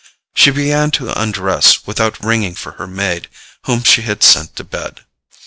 She began to undress without ringing for her maid, whom she had sent to bed.